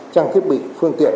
trang thiết bị phương tiện